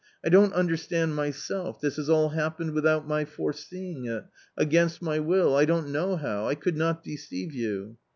"I don't understand myself— this has all happened without my foreseeing it .... against my will .... I don't know how .... I could not deceive you."